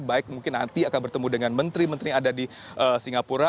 baik mungkin nanti akan bertemu dengan menteri menteri yang ada di singapura